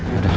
ya udah pak